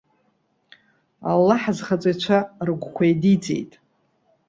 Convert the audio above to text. Аллаҳ азхаҵаҩцәа рыгәқәа еидиҵеит.